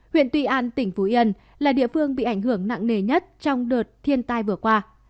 huyện tuy an tỉnh phú yên là địa phương bị ảnh hưởng nặng nề nhất trong đợt thiên tai vừa qua